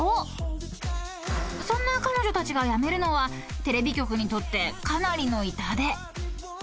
［そんな彼女たちが辞めるのはテレビ局にとってかなりの痛手］